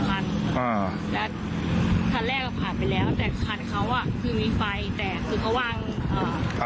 แล้วทันแรกผ่านไปแล้วแต่คันเขาคือมีไฟแต่คือเขาว่าง